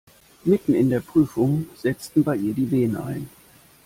Mitten in der Prüfung setzten bei ihr die Wehen ein.